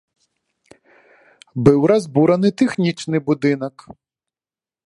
Быў разбураны тэхнічны будынак.